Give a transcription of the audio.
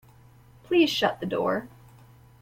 Please shut the door.